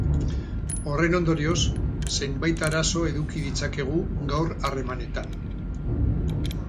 Horren ondorioz, zenbait arazo eduki ditzakezu gaur harremanetan.